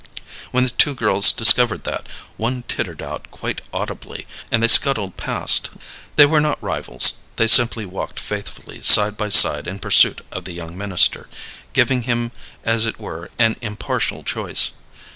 When the two girls discovered that, one tittered out quite audibly, and they scuttled past. They were not rivals; they simply walked faithfully side by side in pursuit of the young minister, giving him as it were an impartial choice.